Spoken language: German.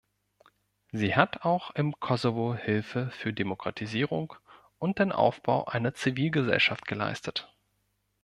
Sie hat auch im Kosovo Hilfe für Demokratisierung und den Aufbau einer Zivilgesellschaft geleistet.